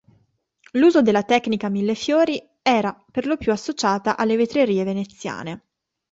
L'uso della tecnica millefiori era perlopiù associata alle vetrerie veneziane.